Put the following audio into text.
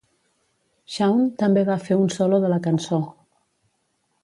Shawn també va fer un solo de la cançó.